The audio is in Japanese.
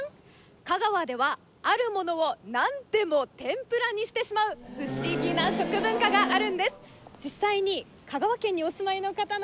香川ではあるものをなんでも天ぷらにしてしまうフシギな食文化があるんです。